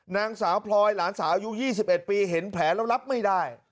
นางสาวพลอยหลานสาวอายุ๒๑ปีเห็นแผลแล้วรับไม่ได้